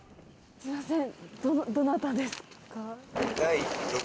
すいません。